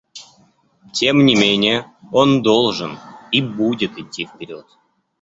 Тем не менее, он должен и будет идти вперед.